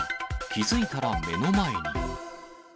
気付いたら目の前に。